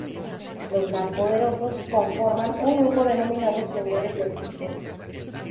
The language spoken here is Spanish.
Los más poderosos conforman un grupo denominado Señores del Sistema.